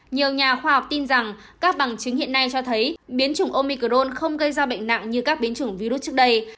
nhiều nhà khoa học tin rằng các bằng chứng hiện nay cho thấy biến chủng omicron không gây ra bệnh nặng như các biến chủng virus trước đây